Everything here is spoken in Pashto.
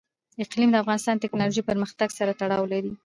اقلیم د افغانستان د تکنالوژۍ پرمختګ سره تړاو لري.